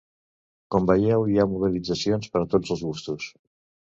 Com veieu hi ha mobilitzacions per a tots els gustos!